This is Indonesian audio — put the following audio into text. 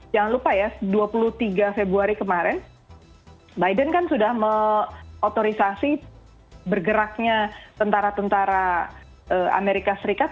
jangan lupa ya dua puluh tiga februari kemarin biden kan sudah otorisasi bergeraknya tentara tentara amerika serikat